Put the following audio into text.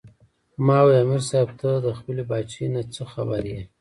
" ـ ما وې " امیر صېب تۀ د خپلې باچائۍ نه څۀ خبر ئې